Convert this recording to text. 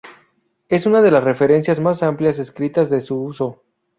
Es una de las referencias más amplias escritas de su uso.